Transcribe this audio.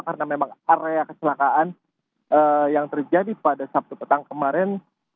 karena memang area kecelakaan yang terjadi pada sabtu petang kemarin